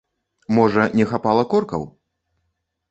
Можа, не хапала коркаў?